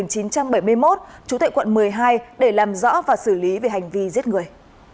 từ năm một nghìn chín trăm bảy mươi một chủ tệ quận một mươi hai để làm rõ và xử lý về hành vi giết người